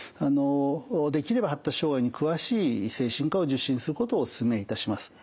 できれば発達障害に詳しい精神科を受診することをお勧めいたします。